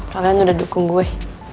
kalian udah dukung gue